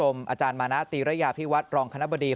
ครับคุณผู้ชมอาจารย์มานาตรีระยะพิวัตรรองคณะบดี